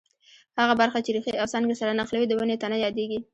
هغه برخه چې ریښې او څانګې سره نښلوي د ونې تنه یادیږي.